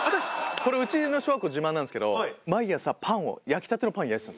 これうちの小学校の自慢なんですけど毎朝パンを焼きたてのパンを焼いてた。